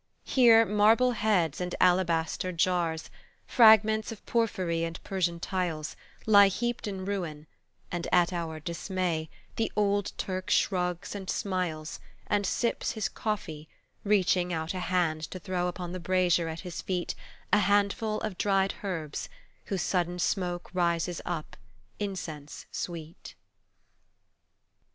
Here marble heads and alabaster jars, Fragments of porphyry and Persian tiles, Lie heaped in ruin, and at our dismay The old Turk shrugs and smiles, And sips his coffee, reaching out a hand To throw upon the brasier at his feet A handful of dried herbs, whose sudden smoke Rises up incense sweet.